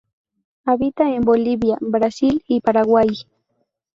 Habita en Bolivia, Brasil y Paraguay.